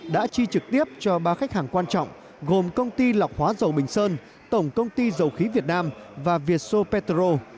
đã chi trực tiếp cho ba khách hàng quan trọng gồm công ty lọc hóa dầu bình sơn tổng công ty dầu khí việt nam và vietso petro